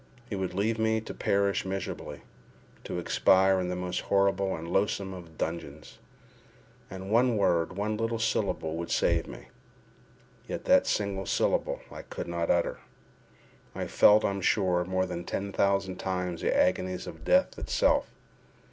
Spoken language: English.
He would leave me to perish miserably, to expire in the most horrible and loathesome of dungeons—and one word, one little syllable, would save me—yet that single syllable I could not utter! I felt, I am sure, more than ten thousand times the agonies of death itself.